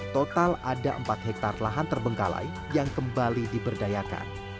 total ada empat hektare lahan terbengkalai yang kembali diberdayakan